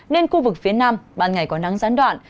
nên khu vực phía nam ban ngày có nắng gián đoạn